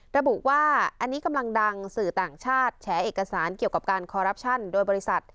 ระบุว่าอันนี้กำลังดังสื่อต่างชาติแฉเอกสารเกี่ยวกับการคอรัปชั่นโดยบริษัท